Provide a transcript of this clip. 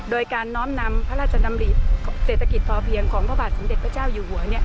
โดยการน้อมนำพระราชดำริเศรษฐกิจพอเพียงของพระบาทสมเด็จพระเจ้าอยู่หัว